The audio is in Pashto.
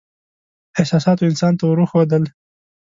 احساساتو انسان ته ور وښودل.